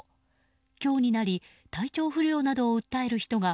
今日になり体調不良などを訴える人が